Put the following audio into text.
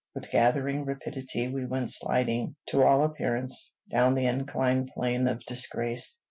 With gathering rapidity, we went sliding, to all appearance, down the inclined plane of disgrace.